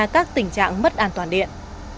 các tình trạng mất an toàn điện